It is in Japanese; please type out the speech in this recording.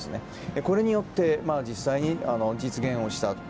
これによって実際に実現をしたと。